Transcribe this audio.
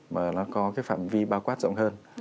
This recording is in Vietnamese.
mà nó có cái phạm vi bao quát rộng hơn